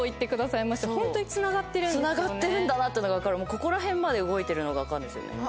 ここら辺まで動いてるのが分かるんですよね。